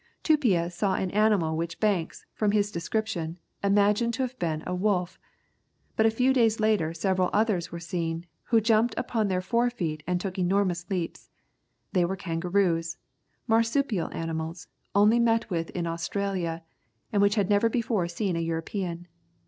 Tupia saw an animal which Banks, from his description, imagined to have been a wolf. But a few days later several others were seen, who jumped upon their fore feet, and took enormous leaps. They were kangaroos, marsupial animals, only met with in Australia, and which had never before seen a European.